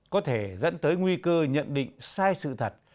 có thể dẫn tới nguy cơ nhận định sai sự thật